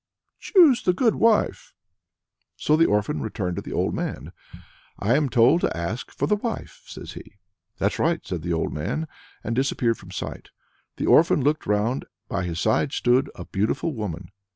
"Choose the good wife." So the orphan returned to the old man. "I'm told to ask for the wife," says he. "That's all right!" said the old man, and disappeared from sight. The orphan looked round; by his side stood a beautiful woman.